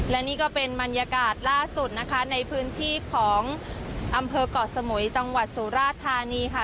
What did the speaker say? และนี่ก็เป็นบรรยากาศล่าสุดนะคะในพื้นที่ของอำเภอกเกาะสมุยจังหวัดสุราธานีค่ะ